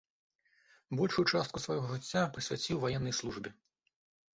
Большую частку свайго жыцця прысвяціў ваеннай службе.